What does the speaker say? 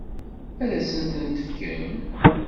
Ad asen-ten-tefkem?